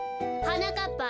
・はなかっぱ